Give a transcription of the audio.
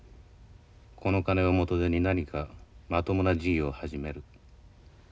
この金を元手に何かまともな事業を始める。